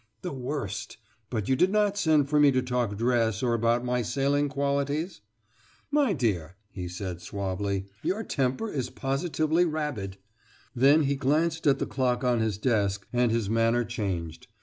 "The worst! But you did not send for me to talk dress or about my sailing qualities?" "My dear," he said suavely, "your temper is positively rabid." Then he glanced at the clock on his desk and his manner changed.